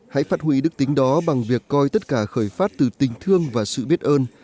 hãy phát hủy đức tính đó bằng việc coi tất cả khởi phát từ tình thương và sự biết ơn